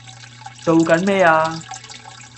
做緊咩呀